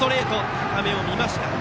高めを見ました。